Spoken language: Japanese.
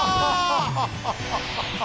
ハハハハハ。